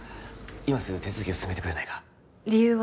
今すぐ手続きを進めてくれないか理由は？